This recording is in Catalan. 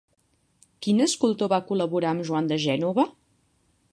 Quin escultor va col·laborar amb Joan de Gènova?